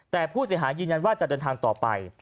แต่ผู้เสียหายยืนยันว่าจะเดินทางต่อไป